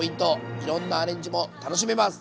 いろんなアレンジも楽しめます！